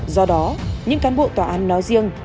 do đó những cán bộ tòa án nói riêng